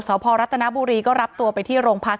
อ๋อเจ้าสีสุข่าวของสิ้นพอได้ด้วย